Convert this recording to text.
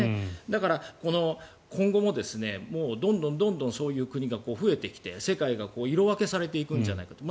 だから、今後もどんどんそういう国が増えてきて世界が色分けされていくんじゃないかと。